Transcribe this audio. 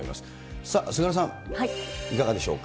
さあ、菅原さん、いかがでしょうか。